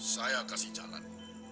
saya kasih jalan